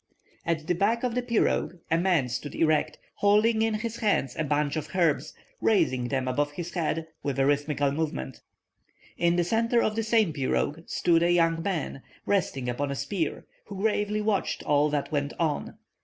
At the back of the pirogue, a man stood erect, holding in his hands a bunch of herbs, raising them above his head, with a rhythmical movement. In the centre of the same pirogue stood a young man, resting upon a spear, who gravely watched all that went on.